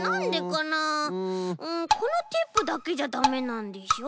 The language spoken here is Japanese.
このテープだけじゃだめなんでしょ？